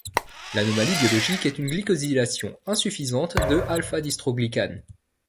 L'anomalie biologique est une glycosylation insuffisante de α-dystroglycane.